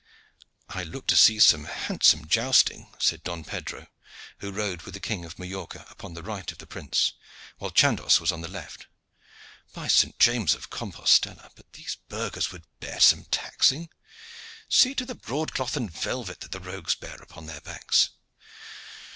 "I look to see some handsome joisting," said Don Pedro, who rode with the King of Majorca upon the right of the prince, while Chandos was on the left. "By St. James of Compostella! but these burghers would bear some taxing. See to the broadcloth and velvet that the rogues bear upon their backs!